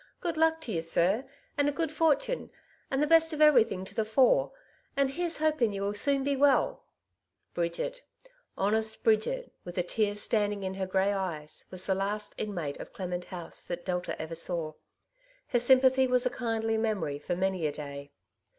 Good luck to ye, sir, and a good fortin, and the best of everything to the fore ; aud here's hoping ye^U soon be well/' Bridget — honest Bridget, with the tears standing in her grey eyes, was the last inmate of Clement House that Delta ever saw. Her sympathy was a kindly memory for many a day.